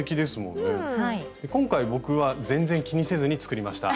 今回僕は全然気にせずに作りました。